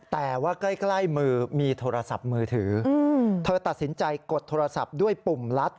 แต่ว่าใกล้มือมีโทรศัพท์มือถือเธอตัดสินใจกดโทรศัพท์ด้วยปุ่มลัด